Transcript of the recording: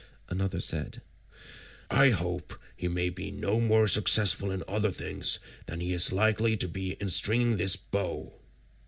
Another said, "I hope he may be no more successful in other things than he is likely to be in stringing this bow."